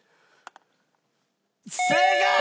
正解！